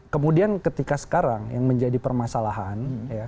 kemudian ketika sekarang yang menjadi permasalahan